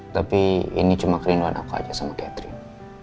tapi ini cuma kerinduan aku aja sama catherine